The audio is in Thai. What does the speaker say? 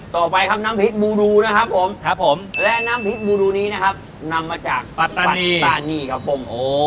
ต่อไปครับน้ำพริกบูรูนะครับผมครับผมและน้ำพริกบูรูนี้นะครับนำมาจากตานีครับผม